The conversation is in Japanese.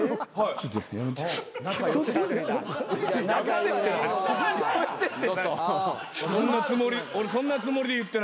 ちょっとやってみ。